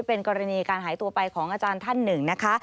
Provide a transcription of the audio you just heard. เป็นกรณีการหายตัวไปของอาจารย์ท่านหนึ่งนะคะ